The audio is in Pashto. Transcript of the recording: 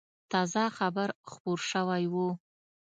تازه خبر خپور شوی و.